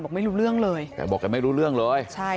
บอกไม่รู้เรื่องเลยแกบอกแกไม่รู้เรื่องเลยใช่